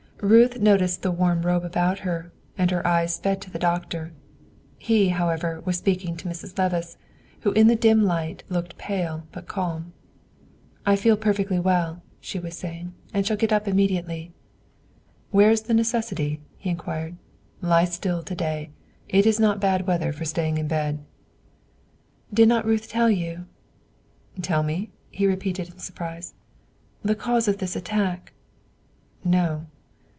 Ruth noticed the warm robe about her, and her eyes sped to the doctor. He, however, was speaking to Mrs. Levice, who in the dim light looked pale but calm. "I feel perfectly well," she was saying, "and shall get up immediately." "Where is the necessity?" he inquired. "Lie still to day; it is not bad weather for staying in bed." "Did not Ruth tell you?" "Tell me?" he repeated in surprise. "Of the cause of this attack?" "No."